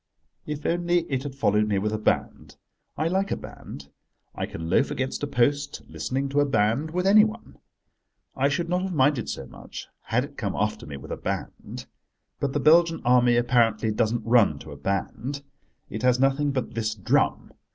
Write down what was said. If only it had followed me with a band: I like a band. I can loaf against a post, listening to a band with anyone. I should not have minded so much had it come after me with a band. But the Belgian Army, apparently, doesn't run to a band. It has nothing but this drum.